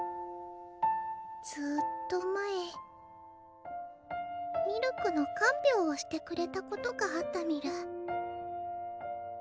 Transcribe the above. ずっと前ミルクの看病をしてくれたことがあったミル。